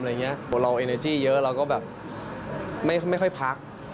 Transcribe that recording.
เพราะเราเอเนอร์จี้เยอะเราก็แบบไม่ค่อยพัก